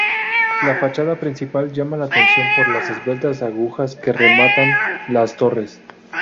La fachada principal llama la atención por las esbeltas agujas que rematan las torres.